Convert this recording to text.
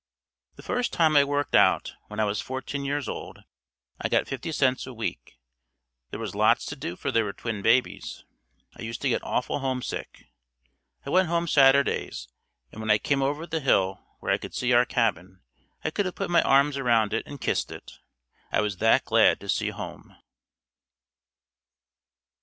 The first time I worked out, when I was fourteen years old, I got 50c a week. There was lots to do for there were twin babies. I used to get awful homesick. I went home Saturdays and when I came over the hill where I could see our cabin, I could have put my arms around it and kissed it, I was that glad to see home.